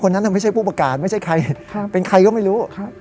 คนนั้นทำไมใช่ผู้อากาศไม่ใช่ใครครับเป็นใครก็ไม่รู้ครับ